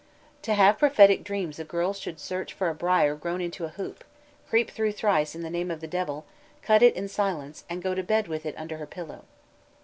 To have prophetic dreams a girl should search for a briar grown into a hoop, creep through thrice in the name of the devil, cut it in silence, and go to bed with it under her pillow.